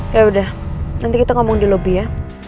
yaudah nanti kita ngomong di lobby ya